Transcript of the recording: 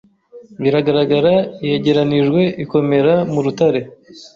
biragaragarayegeranijwe ikomera mu rutare